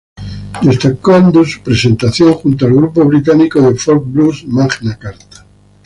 Destacando su presentación junto al grupo británico de Folk- Blues Magna Carta.